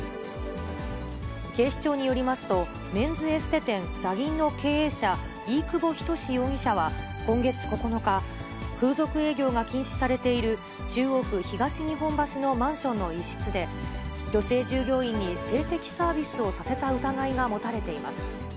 警視庁によりますと、メンズエステ店、ザギンの経営者、飯窪仁容疑者は今月９日、風俗営業が禁止されている、中央区東日本橋のマンションの一室で、女性従業員に性的サービスをさせた疑いが持たれています。